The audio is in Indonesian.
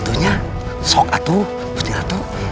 gitu nya sok atu gusti ratu